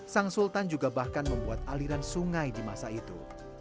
sang sultan juga bahkan membuat aliran sungai di masa itu